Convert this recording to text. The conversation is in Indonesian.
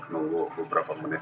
nunggu beberapa menit